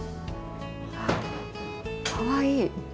あかわいい。